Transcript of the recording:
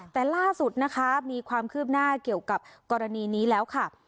แต่ล่าสุดนะคะมีความคืบหน้าเกี่ยวกับกรณีนี้แล้วค่ะ